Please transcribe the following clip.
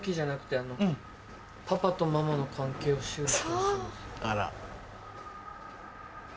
あら。